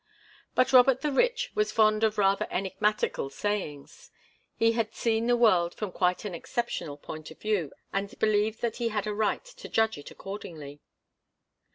But Robert the Rich was fond of rather enigmatical sayings. He had seen the world from quite an exceptional point of view and believed that he had a right to judge it accordingly.